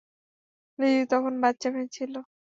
Lessee তখন বাচ্চা মেয়ে ছিলো।